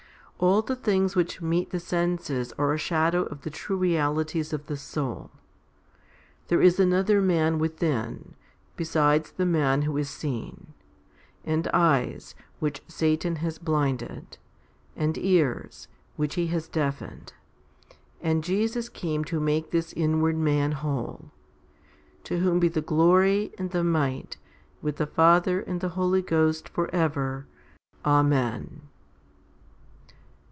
All the things which meet the senses are a shadow of the true realities of the soul. There is another man within, besides the man who is seen ; and eyes, which Satan has blinded, and ears, which he has deafened; and Jesus came to make this inward man whole. To whom be the glory and the might, with the Father and the Holy Ghost for ever. Amen.